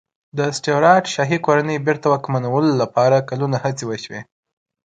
د سټیوراټ شاهي کورنۍ بېرته واکمنولو لپاره کلونه هڅې وشوې.